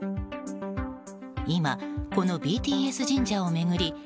今、このＢＴＳ神社を巡り